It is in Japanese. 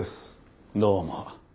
どうも。